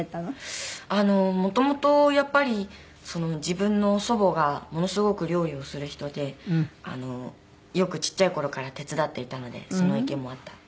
元々やっぱり自分の祖母がものすごく料理をする人でよくちっちゃい頃から手伝っていたのでその影響もあったと。